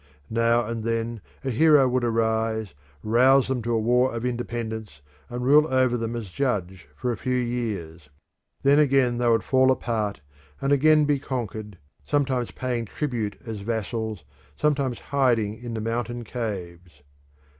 Now and then a hero would arise, rouse them to a war of independence, and rule over them as judge for a few years. Then again they would fall apart, and again be conquered, sometimes paying tribute as vassals, sometimes hiding in the mountain caves.